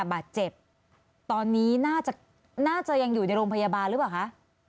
บาดเจ็บตอนนี้น่าจะน่าจะยังอยู่ในโรงพยาบาลหรือเปล่าคะ